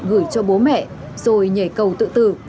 gửi cho bố mẹ rồi nhảy cầu tự tử